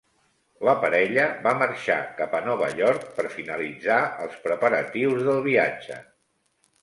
La parella va marxar cap a Nova York per finalitzar els preparatius del viatge.